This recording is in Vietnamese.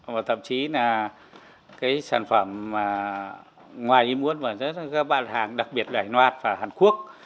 và thậm chí là cái sản phẩm ngoài im muôn và các bàn hàng đặc biệt là hải loạt và hàn quốc